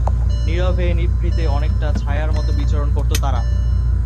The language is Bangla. নীরবে-নিভৃতে অনেকটা ছায়ার মতো বিচরণ করত তারা।